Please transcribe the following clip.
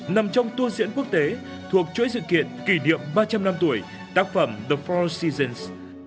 nằm trong tua diễn quốc tế thuộc chuỗi sự kiện kỷ niệm ba trăm linh năm tuổi tác phẩm the four season